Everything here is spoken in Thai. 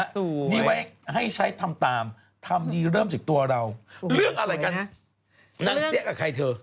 ถูกนี่ไว้ให้ใช้ทำตามทำดีเริ่มจากตัวเราเรื่องอะไรกันนางเสี้ยกับใครเธอ